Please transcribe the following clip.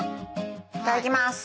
いただきます。